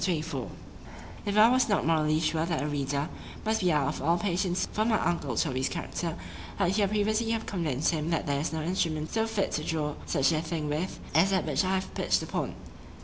XXIV IF I was not morally sure that the reader must be out of all patience for my uncle Toby's character,——I would here previously have convinced him that there is no instrument so fit to draw such a thing with, as that which I have pitch'd upon.